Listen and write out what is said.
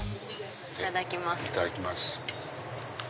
いただきます。